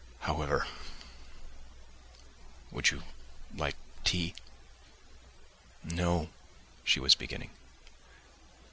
"However ... would you like tea?...." "No," she was beginning.